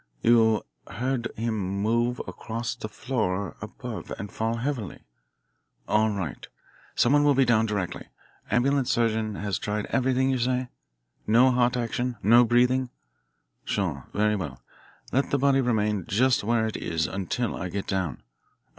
You heard him move across the floor above and fall heavily? All right. Someone will be down directly. Ambulance surgeon has tried everything, you say? No heart action, no breathing? Sure. Very well. Let the body remain just where it is until I get down.